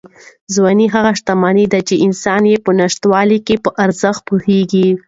ځواني هغه شتمني ده چې انسان یې په نشتوالي کې په ارزښت پوهېږي.